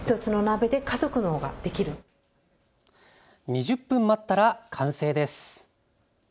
２０分待ったら完成です。